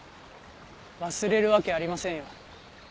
忘れるわけありませんよ